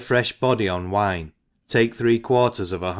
frefh body pn wine, take three quarters of an hun